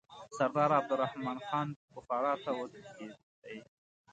سردار عبدالرحمن خان بخارا ته وتښتېدی.